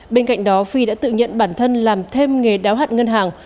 bên cạnh đó phi đã tự nhận bản thân làm thêm nghề đáo hạn ngân hàng